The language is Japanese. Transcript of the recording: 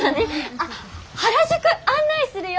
あっ原宿案内するよ？